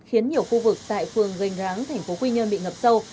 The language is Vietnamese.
khiến nhiều khu vực tại phường gành ráng thành phố quy nhơn bị ngập sâu